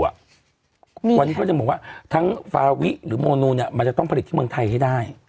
วันนี้เขาจะบอกว่าทั้งฟาวิหรือโมนูเนี่ยมันจะต้องผลิตที่เมืองไทยให้ได้